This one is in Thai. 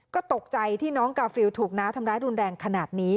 ก็ตกใจที่น้องกาฟิลถูกน้าทำร้ายรุนแรงขนาดนี้